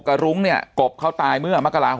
กบกับรุ้งเนี่ยกบเขาตายเมื่อมกรา๖๕